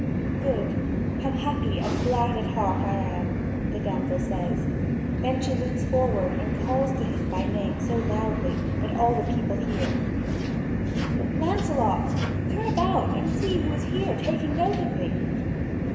"God, how happy and glad at heart I am!" the damsel says. Then she leans forward and calls to him by name so loudly that all the people hear: "Lancelot, turn about and see who is here taking note of thee!"